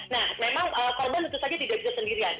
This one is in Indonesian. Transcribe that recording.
nah memang korban tentu saja tidak bisa sendirian